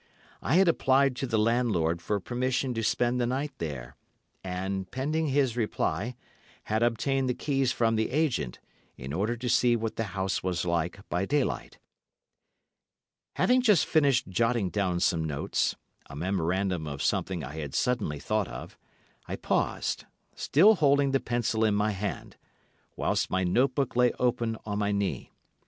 I had applied to the landlord for permission to spend the night there, and, pending his reply, had obtained the keys from the agent, in order to see what the house was like by daylight. Having just finished jotting down some notes—a memorandum of something I had suddenly thought of—I paused, still holding the pencil in my hand, whilst my note book lay open on my knee.